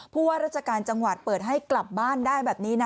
ผู้ว่าราชการจังหวัดเปิดให้กลับบ้านได้แบบนี้นะ